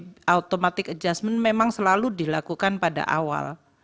automatic adjustment memang selalu dilakukan pada awal